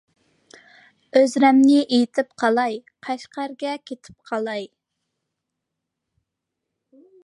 ئۆزرەمنى ئېيتىپ قالاي، قەشقەرگە كېتىپ قالاي.